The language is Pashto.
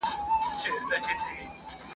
د خاورين بنده د كړو گناهونو !.